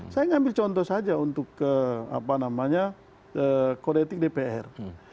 saya ngambil contoh saja untuk kodetik dpr